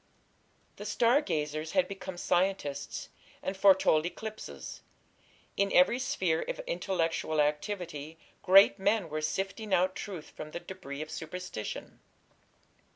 The "star gazers" had become scientists, and foretold eclipses: in every sphere of intellectual activity great men were sifting out truth from the debris of superstition.